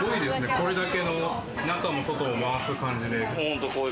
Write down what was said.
これだけ中も外も回す感じで。